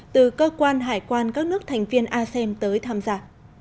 từ cơ quan hải quan các nước thành viên asem tới tham gia